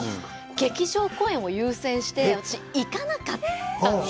劇場公演を優先して、私、行かなかったんですよ。